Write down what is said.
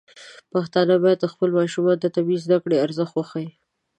پښتانه بايد خپلو ماشومانو ته د طبي زده کړو ارزښت وښيي.